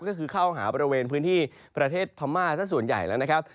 ก็คือเข้าหาบริเวณพื้นที่ประเทศพม่าสักส่วนใหญ่แล้วนะครับ